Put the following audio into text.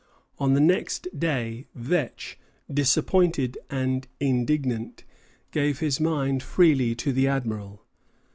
On the next day Vetch, disappointed and indignant, gave his mind freely to the Admiral.